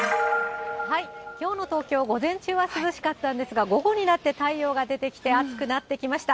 きょうの東京、午前中は涼しかったんですが、午後になって太陽が出てきて暑くなってきました。